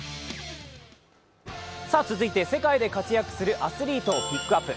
続いて世界で活躍するアスリートをピックアップ。